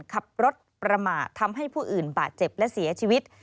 ขับรถประมาททำให้ผู้อื่นบาดเจ็บและเสียชีวิต